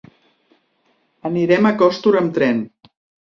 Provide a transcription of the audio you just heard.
Anirem a Costur amb tren.